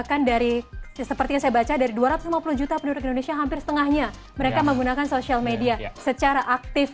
jadi seperti yang saya baca dari dua ratus lima puluh juta penduduk di indonesia hampir setengahnya mereka menggunakan social media secara aktif